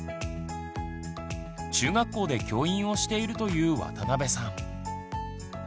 中学校で教員をしているという渡邊さん。